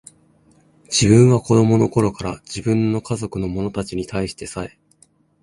自分は子供の頃から、自分の家族の者たちに対してさえ、